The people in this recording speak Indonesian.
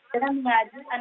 di kampung bajajang